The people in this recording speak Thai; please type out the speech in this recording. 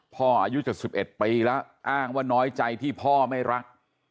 อายุ๗๑ปีแล้วอ้างว่าน้อยใจที่พ่อไม่รัก